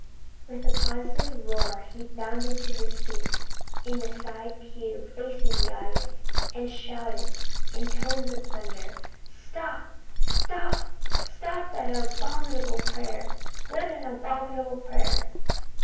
With a positive roar he bounded to his feet in his side pew, facing the audience, and shouted in tones of thunder: "Stop stop STOP that abominable prayer! What an abominable prayer!"